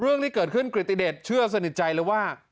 เรื่องที่เกิดขึ้นกริติเดชเชื่อสนิทใจเลยว่า